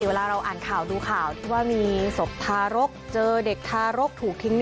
เวลาเราอ่านข่าวดูข่าวที่ว่ามีศพทารกเจอเด็กทารกถูกทิ้ง